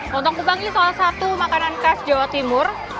lontong kupang ini salah satu makanan khas jawa timur